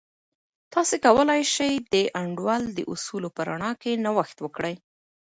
تاسې کولای سئ د انډول د اصولو په رڼا کې نوښت وکړئ.